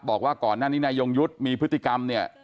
บอกว่าก่อนหน้านี้นายยงยุทธ์มีพฤติกรรมเนี่ย